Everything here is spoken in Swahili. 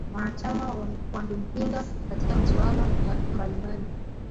Wanachama wangempinga katika masuala mbali mbali